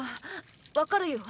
わかるよ？